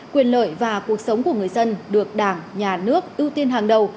quyền lợi và cuộc sống của người dân được đảng nhà nước ưu tiên hàng đầu